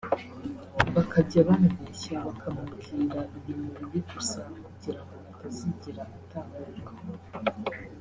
bakajya bamubeshya bakamubwira ibintu bibi gusa kugira ngo atazigera atahuka